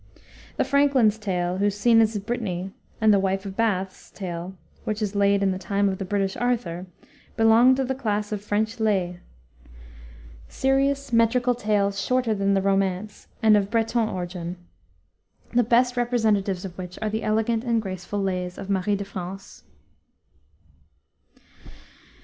The Franklin's Tale, whose scene is Brittany, and the Wife of Baths' Tale, which is laid in the time of the British Arthur, belong to the class of French lais, serious metrical tales shorter than the romance and of Breton origin, the best representatives of which are the elegant and graceful lais of Marie de France.